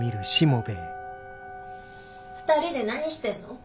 ２人で何してんの？